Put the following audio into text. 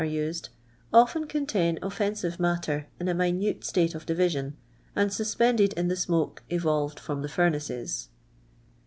are used — ofum contxun ofTeniive matter in a minute btau.* of division, and sai p jaded i:i tiie sinokf evolved from the furnaces.